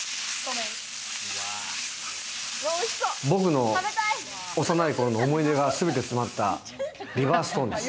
僕の幼い頃の思い出が全て詰まったリバーストーンです。